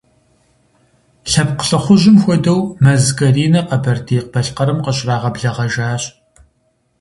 Лъэпкъ лӏыхъужьым хуэдэу Мэз Каринэ Къэбэрдей-Балъкъэрым къыщрагъэблэгъэжащ.